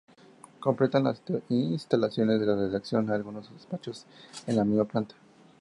Completan las instalaciones la redacción y algunos despachos en la misma planta.